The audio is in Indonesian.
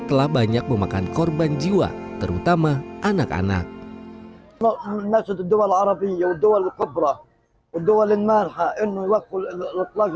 telah banyak memakan korban jiwa terutama anak anak masjid masjid dua